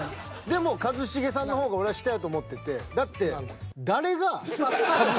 でも一茂さんの方が俺は下やと思ってて。